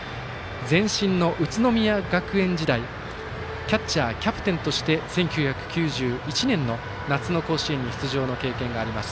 前身の宇都宮学園時代キャッチャー、キャプテンとして１９９１年の夏の甲子園に出場の経験があります。